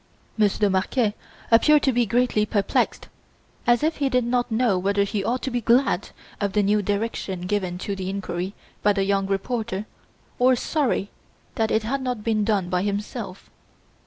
Monsieur de Marquet appeared to be greatly perplexed, as if he did not know whether he ought to be glad of the new direction given to the inquiry by the young reporter, or sorry that it had not been done by himself.